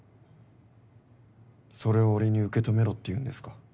それを俺に受け止めろっていうんですか？